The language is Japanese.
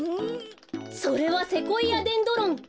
それはセコイアデンドロン。